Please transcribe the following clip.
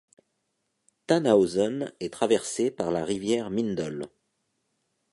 Thannhausen est traversée par la rivière Mindel.